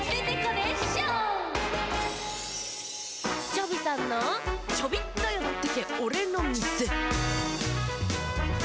チョビさんの「チョビっとよってけおれのみせ」。